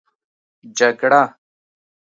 جگړه